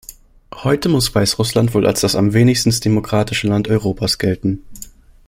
Heute muss Weißrussland wohl als das am wenigstens demokratische Land Europas gelten.